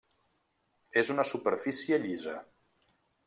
És una superfície llisa.